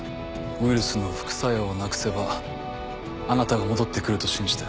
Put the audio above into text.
ウイルスの副作用をなくせばあなたが戻って来ると信じて。